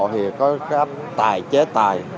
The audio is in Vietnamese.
thì có cái tài chế tài